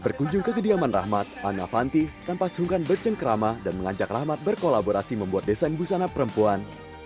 berkunjung ke kediaman rahmat anna fanti tanpa sungkan bercengkrama dan mengajak rahmat berkolaborasi membuat desain busana perempuan